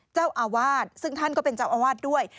เจ้าอาวาสซึ่งท่านก็เป็นเจ้าอาวาสด้วย